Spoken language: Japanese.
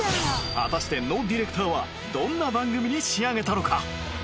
果たしてノディレクターはどんな番組に仕上げたのか？